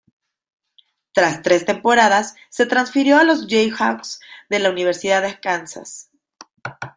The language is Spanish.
Tras tres temporadas, se transfirió a los "Jayhawks" de la Universidad de Kansas.